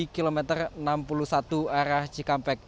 kilometer enam puluh satu arah cikampek